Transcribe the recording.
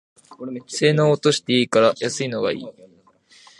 性能落としていいから安いのがいい